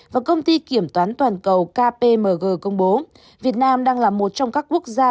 và công ty kiểm toán toàn cầu kpmg công bố việt nam đang là một trong các quốc gia